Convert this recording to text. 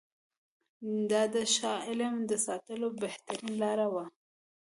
دا د شاه عالم د ساتلو بهترینه لاره وه.